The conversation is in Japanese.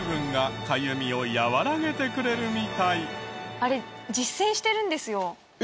あれ実践してるんですよ。